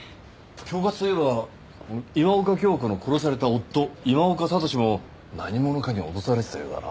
恐喝といえば今岡鏡子の殺された夫今岡智司も何者かに脅されてたようだな。